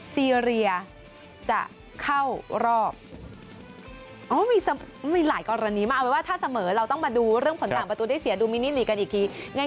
ซีเรียจะเข้ารอบมีหลายกรณีมากเอาเป็นว่าถ้าเสมอเราต้องมาดูเรื่องผลต่างประตูได้เสียดูมินิลีกกันอีกที